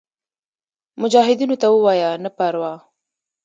مجاهدینو ته ووایه نه پروا.